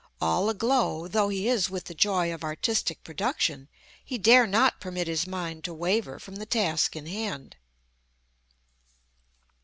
All aglow though he is with the joy of artistic production, he dare not permit his mind to waver from the task in hand.